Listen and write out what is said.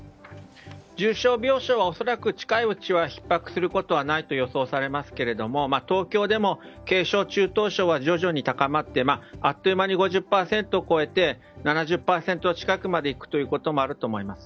重症病床は恐らく近いうちはひっ迫することはないと予想されますが東京でも軽症・中等症は徐々に高まってあっという間に５０％を超えて７０％近くまでいくということもあると思います。